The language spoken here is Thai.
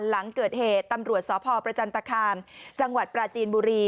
หลังเกิดเหตุตำรวจสพประจันตคามจังหวัดปราจีนบุรี